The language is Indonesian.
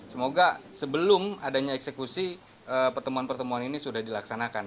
semoga sebelum adanya eksekusi pertemuan pertemuan ini sudah dilaksanakan